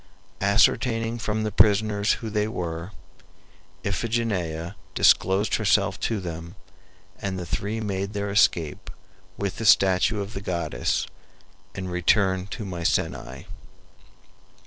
Ascertaining from the prisoners who they were, Iphigenia disclosed herself to them, and the three made their escape with the statue of the goddess, and returned to Mycenae.